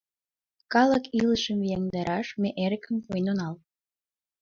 Калык илышым вияҥдараш ме эрыкым пуэн онал.